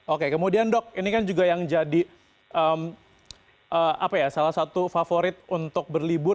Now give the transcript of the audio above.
oke kemudian dok ini kan juga yang jadi salah satu favorit untuk berlibur